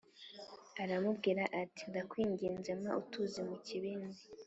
aramubwira ati “Ndakwinginze mpa utuzi mu kibindi”